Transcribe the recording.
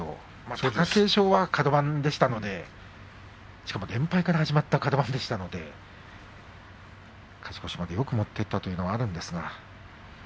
貴景勝はカド番でしたのでしかも連敗から始まったカド番でしたので勝ち越しまでよく持っていったというのはあるんですが。